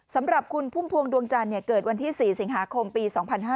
สำหรับคุณพุ่มพวงดวงจันทร์เกิดวันที่๔สิงหาคมปี๒๕๕๙